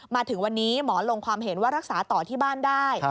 มาถึงวันนี้หมอลงความเห็นว่ารักษาต่อที่บ้านได้